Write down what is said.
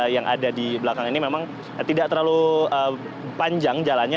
yang ada di belakang ini memang tidak terlalu panjang jalannya